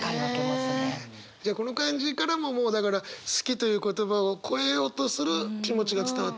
じゃあこの漢字からももうだから「好き」という言葉をこえようとする気持ちが伝わってくるんだ？